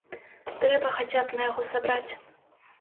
Трэба хаця б на яго сабраць.